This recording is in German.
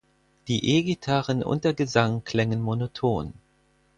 Die E-Gitarren und der Gesang klängen monoton.